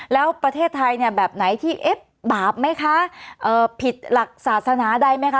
แล้วประเทศไทยเนี่ยแบบไหนที่เอ๊ะบาปไหมคะผิดหลักศาสนาใดไหมคะ